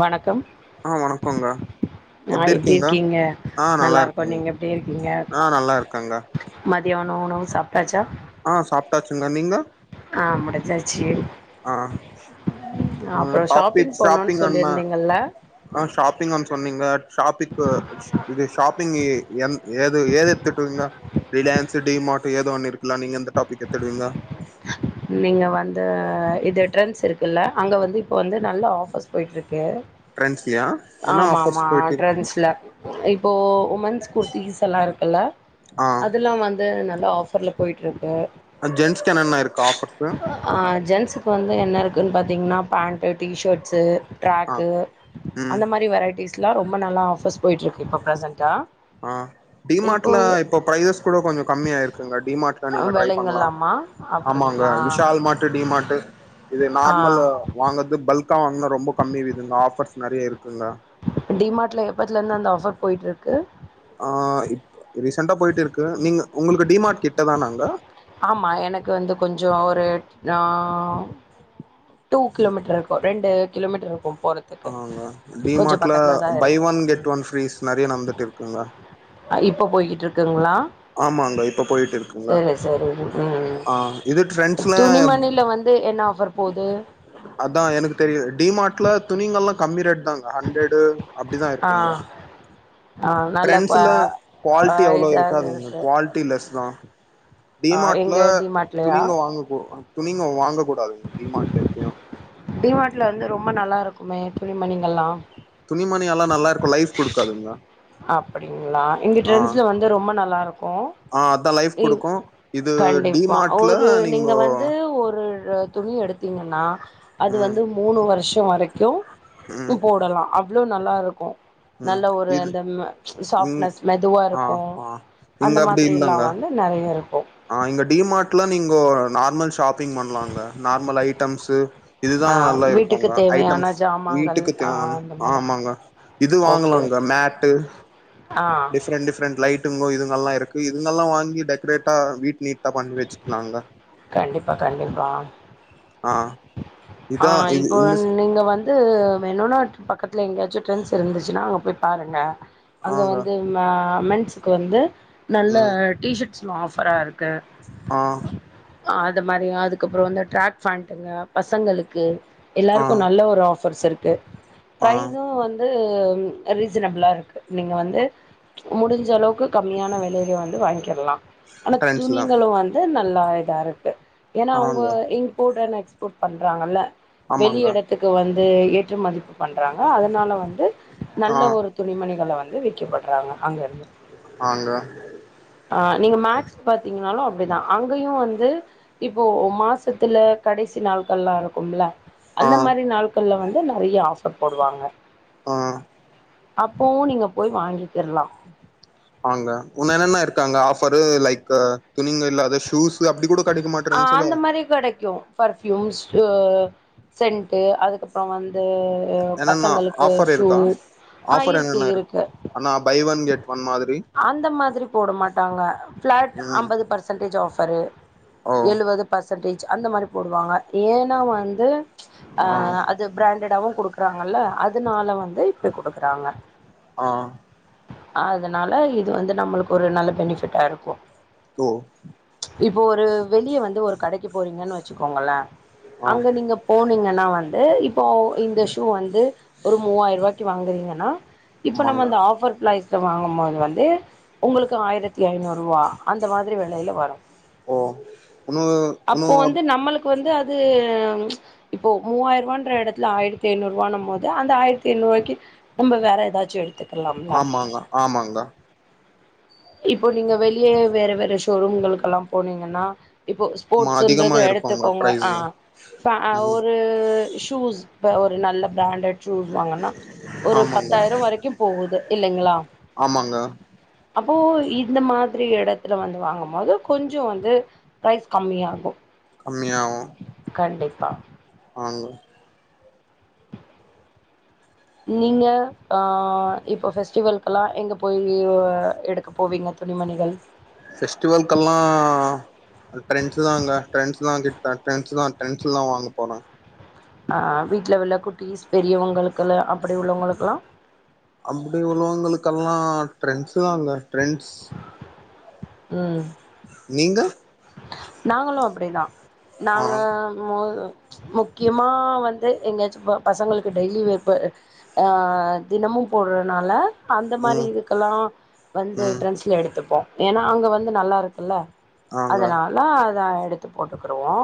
வணக்கம் ஆ வணக்கோங்க நா எப்டி இருக்கீங்க ஆ நல்லா இருக்கு இருக்கங்க நீங்க எப்டி இருக்கீங்க ஆ நல்லா இருக்கங்க மத் தியனோ உணவு சாப்ட்டாச்சா அ சாப்ட்டாச்சுங்க நீங்க ஆ முடுஞ்சாச்சு அ [unintelligible] அப்புறம் சொன்னீங்க ஷாப்பிங் போகணுன்னு சொல்லியிருந்தீங்கள்ல [unintelligible] ஷாப்பிக்கு இது ஷாப்பிங்கு என் ஏது ஏதுட்டுவீங்க ரிலையன்ஸ்ஸு டிமார்ட்டு ஏது ஒண்ண இருக்குலா நீங்க எந்த டாபிக் எத்துடுவீங்க நீங்க வந்து இது ட்ரெண்ட்ஸ் இருக்குல்ல அங்க வந்து இப்பொ வந்து நல்ல ஆஃபர்ஸ் பொய்ட்ருக் கு ட்ரெண்ட்ஸ்லயா ஏன்னா ஆமா ஆமா ஆஃபர்ஸ் போயிட்டு இருக்கு ட்ரெண்ட்ஸ்ல இப்ப உமன்ஸ் குர்தீஸல்லா இருக்குல்ல ஆ அதுல்லா வந்து நல் ல ஆஃபர்ல்ல பொயிட்ருக்கு அன்ஜென்ட்ஸ்க் என்னென்ன இருக் ஆஹ் ஜென்ஸுக்கு வந்து என்ன இருக்குன் பாத் திங்னா பேண்ட்டு டீஷேர்ட்ஸு ஆ ட்ரேக்கு ம் அந்த மாரி வெரைட்டிஸ் ட்லா ரொம்ப நாளா ஆஃபர்ஸ் பொயிட்ருக்கு இப்ப ப்ரசெண்ட்டா ஆஹ் டிமார்ட்ல இப்பொ ப்ரையஸ் கூட கொஞ்சொ கம்மியாயிருக்குங்க டிமார்ட் த நீங்க ட்ரை பண்லா விலைங்கள்லாமா ஆமாங்க அப்டிங்களா விஷால் மாட்டு டிமா மாட்டு இது ஆ நார்மலு வாங்கர்து பல்க் த்தா வாங்னா ரொம்ப கம்மி விதுங்க ஆஃபர்ஸ் நெறைய இருக் டிமார்ட்ல எப்பத்லந்து அந்த ஆஃபர் பொயிட்ருக் கு ஆஹ் இப் ரீசெண்டா பொயிட்டிருக்கு நீங்க உங்களுக்கு டிமார்ட் கிட்டதானாங்க ஆமா எனக்கு வந்து கொஞ்சொ ஒரு ஆஹ் டூ கிலோமீட்டர் இருக்கு ரெண்டு கிலோமீட்டர்ருக்கு ஆமாங்க டிமார்ட்ல தா பை இருக்கு ஒன் கெட் ம் ஒன் ப்ரீஸ் நெறைய நடந்துட்டு இருக்குங்க அ இப்ப பொய்கிட்ருக்குங்ளா ஆமாங்க இப்ப போயிட்டிருக்குங்க சரி ம் ஆஹ் இது ட்ரெண்ட்ஸ்ல துணிமணில வந்து என்ன ஆஃபர் போது அதா எனக்கு தெரியல டிமார்ட்ல துணிங்கல்லா கம்மி ரேட் டாங்க ஹண்ரடு அக் ஆஹ் ஆஹ் நல்ல கோ அ இது க்காதுங்க குவால்ட்டி லெஸ் தா ஆ டிமார்ட்ல எங்க டி துணிங்க வாங்க கூ துணிங்க வாங்க கூடாதுங்க டிமார்ட்ல எப்பயு டிமாட்ல வந்து ரொம்ப நல்லாருக் க்குமே துணிமணிங்கள்லா துணிமணி எல்லா நல்லா இருக்கு லைஃப் குடுக்காதுங்க. அப்படிங்களா இங்க ட்ரெண்ட்ஸ்ல வந்து ரொம் ப நல்லா இருக் ஆஹ் அதா லைஃப் குடுக்கு இது கண்டிப்பா டிமார்ட்ல நீங்கோ ரு துணி எடுத்தீங்கன்னா அது ம் வந்து மூணு வருஷ் க்கி வரைக்கு ப்பு போடலா அப் வ்ளோ நல்லா இருக்கு உம் இது ம்ம ச் ம் சாஃப்டனஸ் மெதுவா ஆ இருக்கு ஆ அந்த மாதிரிலா வந் நெறய றய இருக்கு ஆஹ் இங்க டிமார்ட்லா நீங்கோ நார்மல் ஷாப் பிங் பண்ணலாங்க நார்மல் ஐட்டம்ஸ் து இதுதா ஆ நல்லா வீட்டுக்கு இருக்குங்க தேவையான ஐட்டம்ஸ் ஜாமாங்கள் வீட்டுக்கு ஆ தேவான அந்த மாரி ஆமாங்க. இது ஓகே ஓகே வாங்கலாங்க மேட்டு ஆ டிஃப்ரெண்ட டிஃப்ரெண்ட் லைட் டுங்கோ இதுங்கெல்லா இருக்கு இதுங்கெல்லா வாங்கி டெக்கரேட்டா வீட் நீட் கண்டிப்பா கண்டிப்பா ஆஹ் ஆஹ் இப்போ நீங்க வந்து வெனுநா டி பக்கத்து ல எங்கயாச்சு ட்ரண்ட்ஸ் இருந்துச்சுன்னா அங்க போய் பாருங்க. அங்க ஆங்க வந்து ம மெண்ஸ்க்கு வந்து நல்ல டீஷர்ட்ஸ் ம் ஆஃபரா இருக்கு ஆஹ் அது மாரி அதுக்கப்புறொ வந்து டிராக் ஃபேண்டுங்க பசங்களுக் கு ஆ எல்லாருக்கு நல்ல ஒரு ஆஃபர்ஸ் இருக் க்கு ஆ பிரைஸு வந் து ரீசனபிளா இருக்கு நீங்க வந்து முடிஞ்ச அளவுக்கு கம்மியான வெலையில வந்து வாங்கிக்கிடலா ஆனா ட்ரெண்ட்ஸ்ல துணிங்களு வந்து நல் லா இதாருக்கு ஏன்னா அவுங்க ஆங்க இங்க போடுற நைட்ஸ் ஷுட் பண்றாங்கல்ல ஆமாங்க வெளிய எடத்துக்கு வந் து ஏற்றுமதிப் பண்றாங்க அதனால வந்து ஆ நல்ல ஒரு துணிமணிகள வந்து விக்கப்படுறாங்க அங்க இருந்து ஆங்க ஆஹ் நீங்க மேக்ஸ் பாத்தீங்கனாலு அப்டிதா அங்கேயு வந்து இப்போ மாசத்துல கடைசி நாள்கள்லா வரக் கும்ல ஆ அந்த மாரி நாள்கள்ல வந் து நெறைய ஆஃபர் போடுவாங்க ஆஹ் அப்பவு நீங்க போய் வாங்கிக்கிட்லா ஃபாரு லைக்கு துணிங்க இல்ல அது ஷூஸ் அப்டி கூடப் ஆஹ் அந்த மாரி கெடைக்கு பர்ஃபீயூம்ஸ் ஜுவ ஆ சென்ட்டு அதுக்கப்புறோ வந்து உஹ் என்னன்னா பசங்களுக்கு ஆஃபர் ஷூ இருக்கா ஆஹ் ஆஃபர் இருக்கு என்னென்ன இருக்கு அண்ணா பை ஒன் கெட் ஒன் மாதிரி அந்த மாதிரி போட மாட்டாங்க ஃபிளாட் ம் அம்பது பர்சன்டேஜ் ஆஃப் பரு ஓ எழுவது பர்ச் சென்டேஜ் அந்த மாரி போடுவாங்க ஏன்னா வந்து ஆ ஆஹ் அது பிராண்டடாவு கொடுக் குறாங்கல்ல அதுனால வந்து இப்டி குடுக்குறாங்க ஆஹ் அதனால இது வந்து நம்மளுக்கு ஒரு நல்ல பெனிஃபிட்டா இருக்கூ ஒ இப்போ ஒரு வெளிய வந்து ஒரு கடைக்கு போரிங்கன்னு வச்சுக்கோங்கள ஆ அங்க நீங்க போன் னீங்கன்னா வந்து இப் போ இந்த ஷூ வந்து ஒரு மூவாயிர ரூவிய்க்கு வாங்குறீங்கன்னா இப்ப நம்ம ஆமாங்க அந்த ஆஃபர் ப்லைஸ் ஸ வாங்கும் போது வந்து உங்களுக்கு ஆயிரத்தி ஐநூறு ரூவா அந்த மாதிரி வெலையில வரு ஓஹ் உன்னோனு உன்னோ அப் கு வந்து அது இப்போ மூவாயிர ரூவான்ற எடத்துல ஆயிரத்தி ஜநூறு ரூவானம் போது அந்த ஆயிரத்தி ஐநூறுவாய்க்கு நம்ப வேற ஏதாச்சு எடுத்துக் ஆமாங்க ஆமாங்க இப்போ நீங்க வெளியே வேற வேற ஷோரூம்களுக்கெல்லா போனீங்கன்னா இப்போ ஆமா அதிகமா ஸ்போர்ட்ஸுன்றது இருக்குங்க எடுத்துக்கோங்க ப்ரைஸு ஃப ஆ ம் ஒரு ஷூஸ் இப்ப ஒரு நல்ல ப்ராண்டட் ஷூஸ் வாங்கண்னா ஒரு ஆமாங்க பத்தாயிரோ வரைக்கூ போகூ இது இல்லைங்களா ஆமாங்க அப்போ இந்த மாத்ரி எடத்துல வந்து வாங்கும் போது கொஞ்சோ வந்து பிரைஸ் கம்மியாகூ கம்மியாகூ ஆங்க நீங்க ஆ இப்போ ஃபெஸ்டிவல்கெல்லா எங்க போய் எடுக்க போவீங்க துணிமணிகள் ஃபெஸ்டிவல்கெல்லா ட்ரெண்ட்ஸூ தாங்க ட்ரெண்ட்ஸ் தா கிட்ட ட்ரெண்ட்ஸ் தா ட்ரெண்ட்ஸ்ல தா வாங்க போனே ஆ வீட்ல உள்ள குட்டிஸ் பெரியவங்களுக்குல்ல அப்டி உள்ளவளுங்க்லா அப்டி உள்ளவங்களுக்கெல்லா ட்ரெண்ட்ஸ் தாங்க ட்ரெண்ட்ஸ் ம் நீங்க நாங்களூ அப்டிதா ஆ நாங்க மொ முக்கியமா வந்து எங்கயாச்சு போ பசங்களுக்கு டெய்லி வேர் ப ஆ தினமூ போடுறதுனால அந்த மாரி ம் இதுக்கெல்லா வந்து ம் ட்ரெண்ட்ஸ்ல எடுத்துப்போ ஏனா அங்க வந்து நல்லாருக்குல்ல ஆங்க அதனால தா எடுத்து போட்டுக்ருவோ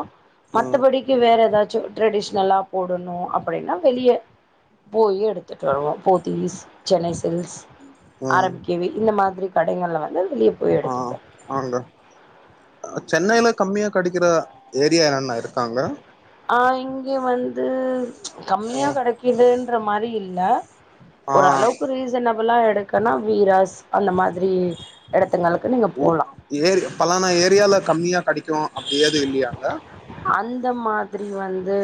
ம் மத்தபடிக்கு வேற ஏதாச் சு ட்ரெடிஷ்னலா போடணு அப்டின்னா வெளியே போய் எடுத்துட்டு வருவோ போத்தீஸ் சென்னைஸ் இல்க்ஸ் ஆர் ம் எம் கே வி இந்த மாத் ரி கடைங்கள்ல வந்து வெளிய போய் ஆ எடுத்துப்போ ஆங்க சென்னையில கம்மியா கடைக்கிற ஏரியா அன்னா இருக்காங்க ஆ இங்கே வந்து கம்மியா ம், கெடைக்குதுன் ட்ற மாரி இல்ல ஆ ஓரளவுக்கு ரீசனபிளா எடுக் க்கனா வீராஸ் அந்த மாதிரி எடத்துங்களுக்கு நீங்க போலா இதே பலான ஏரியால கம்மியா கடிக்கூ அப்டியேது இல்லியா‌ அங்க த மாத்ரி வந்து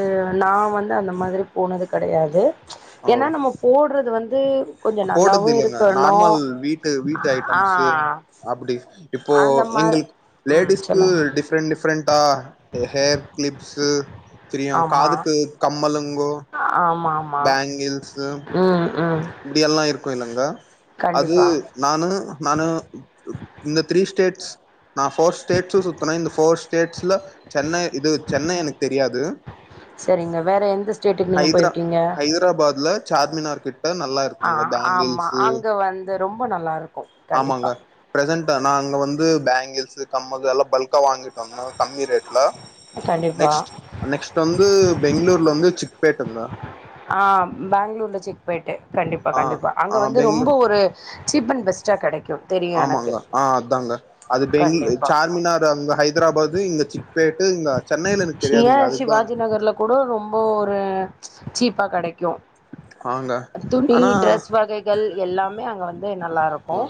நா வந்து அந்த மாத்ரி போனது கெடையாது ஏனா நம்ம போடுறது வந் து போட்டதில்லங்க நார்மல் வீட்டு வீட்டு ஆ ஐட்டம்ஸு அப்புடி இப்போ அந்த மா எங்கள்க் ம் லேடிஸ்க்கு சொல்லுங்க டிஃப்ரெண்ட் டிஃப்ரெண்டா ஹ் ஹேர் க்ளிப் ஸு தெரியு காதுக்கு கம்மலு அ ஆமா ஆமா உம் உம் அ இருக்கு இல்லங்க அது நானு நானு இந்த த்ரீ ஸ்டேட் நா ஃபோர் ஸ்டேட்ஸு சுத்துனே இந்த ஃபோர் ஸ் டேட்ஸ் ல சென்னை இது சென்னை எனக் தெரியாது செரிங்க வேற எந்த ஸ்டேட்டுக்கு நீங்க ஹைத்ரா போயிருக்கீங்க ஹைதராபாத்ல சார்மினார் கிட்ட நல்லாருக் ஆ ஆமா அங்க வந்து ரொம்ப நல்லாரு ஆமாங்க பிரசன்ட்ட நா அங்க வந்து பேங் கிள்ஸு கம்மலு எல்லா பல்க்கா வாங்கிட்டு வந்த கம்மி ரேட் ல கண்டிப்பா நெக்ஸ்ட் நெக்ஸ்ட் வந்து பெங்ளூர் ல வந்து சிக்ப்பேட்டந்தா ஆ பேங்ளூர்ல சிக்பேட்டு கண்டிப்பா ஆ கண்டிப்பா அங்க ஆ வந்து ரொம்ப பெங்களூர் ஒரு சீப்பன் பெஸ்ட்டா கெடைக் ஆமாங்க ஆ அதாங்க அது பெங்கிளு கண்டிப்பா சார்மினார் அங்க ஹைதராபாது இங்க சிக் பேட்டுங்க ஷிவ ஷிவாஜி நகர்ல கூட ரொம்ப ஒரு சீப் பா கெடைக்கு ஆங்க துணி ஆனா ட்ரஸ் வகைகள் எல்லாமே அங்க வந் து நல்லாருக்கு ஆ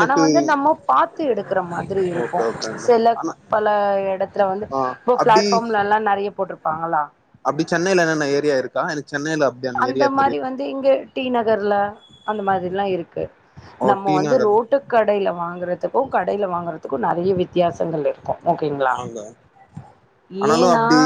ஆனா வந்து நம்ம பாத்து எடுக்கற மாதிரி இருக்கு ஓகே ஓகேங்க செலக் ஆனா பல எடத்ல வந்து ஆ அப்டி ஃப்ளாட்ஃபார்ம்லல்லா நெறைய போட்ருப் பாங்களா அப்டி சென்னைல என்னன்ன ஏரியா இருக்கா எனக் அந்த மாரி வந்து இங்க டி நகர்ல அந்த மாதிர்லா இருக்கு ஓ நம்ம டி வந்து நகர் ரோட்டு கடைல வாங்கறதுக் கு கடைல வாங்கறதுக்கு நெறைய வித்தியாசங்கள் இருக்கு ஓகேங்களா ஆங்க ஆனாலு ஏன்னா அப்டி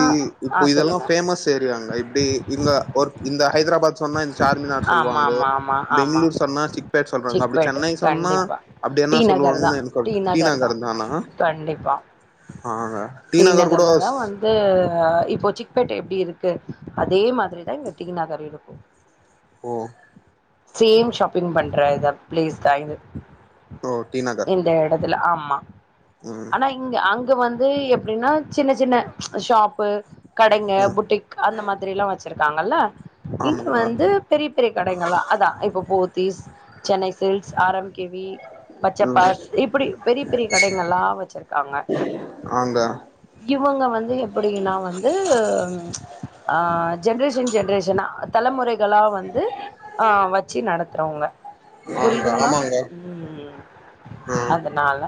இப்போ ஆ இதெலா சொல்லுங்க ஃபேமஸ் ஏரியாங்க இப்டி இங்க ஒர் இந்த ஹைதராபாத் சொன்னா இந்த சார்மிநாட் ஆமா சொல்வாங்கோ ஆமா ஆமா ஆமா பெங்களூர் சொன்னா சிக்பெட் சொல்றாங் அப்டி சிக்பேட்ட சென்னை சொன்னா கண்டிப்பா அப்டி என்ன டி நகர் தா சொல்லுவாங்னு என சொல் டி டீனா நகர் அங்க இருந்தானா டீ நகர்லதா வந்துஉ இப்போசிக் பெட் எப்டி இருக்கு அதே மாதிரிதா இங்க டீ நகர்ல இருக்கு ஓ சேம் ஷாப்பிங் பண்ற இத பிளேஸ்தா இது ஓ டீ நகர் தில ஆமா ம் ஆனா இங்க அங் வந்து எப்டினா சின்ன சின்ன ச் ஷாப்பு கடைங்க ம் புட்டிக் அந்த மாதிரிலா வச்சு இருகாங்கல இ ஆமாங்க வந்து பெரி பெரி கடைகளா அதா இப்போ போ திஸ் சென்னை செல்க்ஸ் ஆரம் கேவி பச்சபாஸ் ம் இப்டி பெரி பெரி கடைகலா வச்சிருகாங்க ஆங்க இவுங்க வந்து எப்டினா வந்து ச் ஆஹ் ஜென்ரேஷன் ஜென்ரேஷனா தலமுறைகளா வந் து ஆஹ் வெச்சு நடத்துறவுங்க ஆங்க புரிதுங்ளா ஆமாங்க உம் ம் அதனால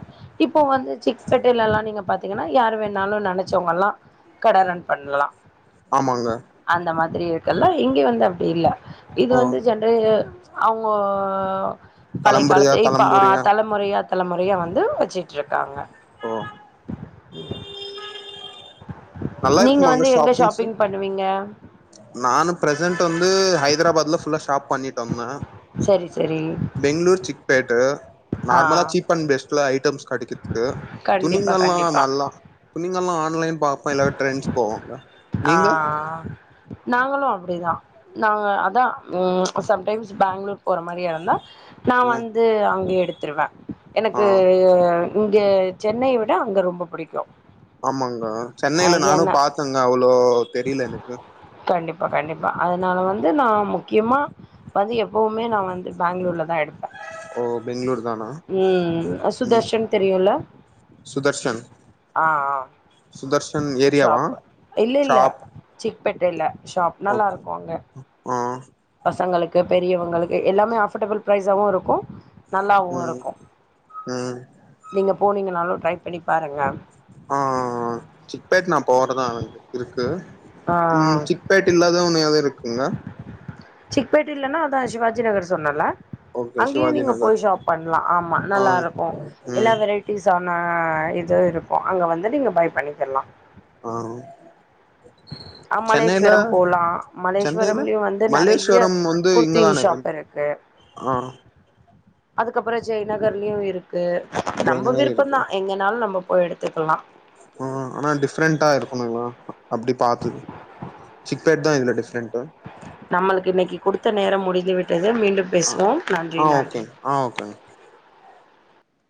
இப்போ வந்து செக்பட்டிலலா நீங்க பாத்தீங்கனா யார் வேணாலு நினச்சவங்கலா கட ரன் பண்ணலா ஆமாங்க இருகல இங்கெ வந் அப்டி இல்ல இது ஓ வந்து ஜன்ர இயர் அவுங்க பழய தலம்புரியா காலத்து இப்ப ஆஹ் தலம்புரியா தலமுறயா தலமுறயா வந்து வெச்ட்ருகாங்க ஓ நல்லா நீங்க இருக்குமாங்க வந்து எங்க ஷாப்பிங்ஸு ஷாப்பிங் பண்ணுவீங்க நானு பிர்செண்ட் வந்து ஹைதராபாத்ல ஃபுல்லா ஷாப் பண்ணிட்டோம்னா சரி சரி பெங்ளூர் சிக்பேட்டு ஆ நார்மலா சீப் அண்ட் பெஸ்ட் [unintelligible] கிடைக்றதுக்கு கண்டிப்பா துணிகள்லாம் கண்டிப்பா நல்லா துணிங்கல்லா ஆ [unintelligible] பாப்பா எல்லாரு ட்ரெண்ட்ஸ் போவோல ஆ நீங்க நாங்களு அப்படிதா நாங்க அதா ம் ப்ப சம்டைம்ஸ் பேங்ளூர் போற மாரிய இருந்தா நா ம் வந்து அங்க எடுத் துருவா ஆ எனக்கு இங்க சென்னை விட அங்க ரொம்ப புடிக்கு ஆமாங்க அ சென்னையில நானு ஏன்னா பாத்தங்க அவ்ளோ தெரியல எனக்கு பா கண்டிப்பா அதனால வந்து நா முக்கியமா வந்து எப்பவுமே நா வந்து பெங்களூர்ல தா எடுப் ஓ பெங்களூர் தானா ம் ம் சுதர்ஷன் தெரியுல சுதர்ஷன் ஆ அ சுதர்ஷன் ஏரியாவா ஷாப் பெட் இல்ல ஷாப் நல்லா ஓகே இருக்கு அங்க ஆ பசங்களுக் பெரியவங்களுக்கு எல்லாமே அஃபோர்டபிள் பிரைஸாவு இருக்கு நல்லாவு ம் இருக்கு ம் நீங்க போனிங்கனாலு ட்ரை பண்ணி பாருங்க ஆ சிக்பெட் நா போறதா இருக்கு ஆ சிக்பெட் இல்லாத ஒனையாது இருக் ங்க சிக்பெட் இல்லன்னா அதா சிவாஜி நகர் சொன்னல்ல ஓகே அங்கயு சிவாஜி நீங்க நகர் போய் ஷாப் பண்லா ஆமா ஆ நல்லா இருக்கு எல்லா ம் வெரைட்டிஸ் ஆ இது இருக்கு அங்க வந்து நீங்க பை பண்ணிக்கிர்லா ஆ அ சென்னையில மல்லேஸ்வரம் போலா சென்னையில மல்லேஸ்வரம்லயு வந்து நெறைய மல்லேஸ்வரம் வந்து குர்த்தி இங்கதானே ஷாப் இருக்கு ஆ அதுக்கப்பற ஜெய்நகர்லயு இருக் கு நம்ப ஜெயநகர் இருக்கு விருப்பந்தா எங்கேனாலு நம்ப போய் எடுத்துக்கலா ஆ ஆனா டிஃப்ரெண்டா இருக்கணுங்ளா அப்டி பாத்து சிக்பேட் தா இதுல டிஃப்ரெண்ட் நம்மளுக்கு இன்னைக்கு குடுத்த நேரம் முடிந்து விட்டது மீண்டும் ஆ பேசுவோம் நன்றி ஆ நன்றி ஓகேங்க ஆ ஓகேங்க